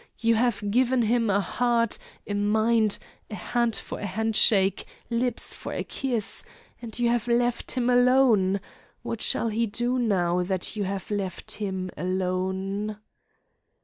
You have given him a heart, a mind, a hand for a handshake, lips for a kiss and you have left him alone! What shall he do now that you have left him alone?"